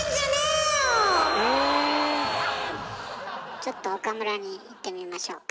ちょっと岡村にいってみましょうか。